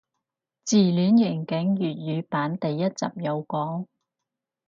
自戀刑警粵語版第一集有講